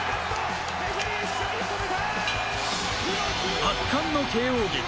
圧巻のＫＯ劇。